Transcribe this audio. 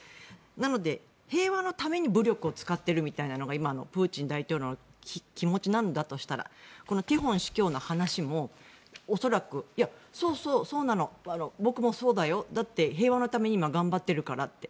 なので平和のために武力を使ってるみたいなのが今のプーチン大統領の気持ちなんだとしたらティホン氏の今日の話も恐らくそうそう、そうなの僕もそうだよだって平和のために今、頑張っているからって。